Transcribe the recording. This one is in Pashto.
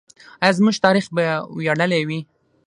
آیا زموږ تاریخ به ویاړلی وي؟